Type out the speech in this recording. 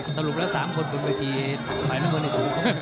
สรุปละ๓คนบึงใบทีไฟแม่มือในสูงสุด